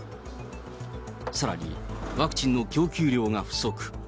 さらにワクチンの供給量が不足。